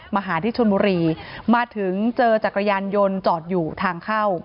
มาหาที่ชนบุรีมาถึงเจอจักรยานยนต์จอดอยู่ทางเข้า